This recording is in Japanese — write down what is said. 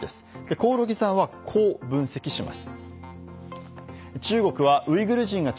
興梠さんはこう分析します。